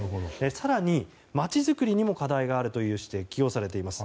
更に、街づくりにも課題があると指摘をされています。